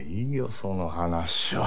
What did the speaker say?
その話は。